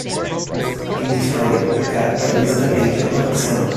In the story, the character is a teacher of cinema.